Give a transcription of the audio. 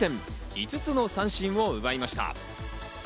５つの三振を奪いました。